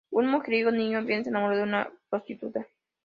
Un mujeriego "niño bien" se enamora de una prostituta.